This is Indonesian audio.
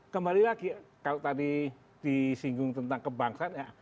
kembali lagi kalau tadi disinggung tentang kebangsaan ya